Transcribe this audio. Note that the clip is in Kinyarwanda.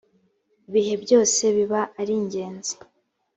ibihe byose biba aringenzi.